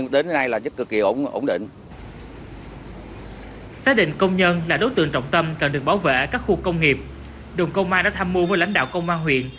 đồn công an đã tham mưu với lãnh đạo công an huyện